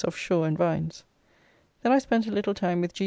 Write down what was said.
of Shaw and Vines. Then I spent a little time with G.